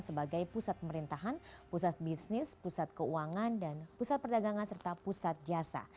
sebagai pusat pemerintahan pusat bisnis pusat keuangan dan pusat perdagangan serta pusat jasa